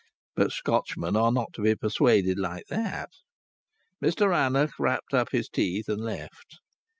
But Scotchmen are not to be persuaded like that. Mr Rannoch wrapped up his teeth and left.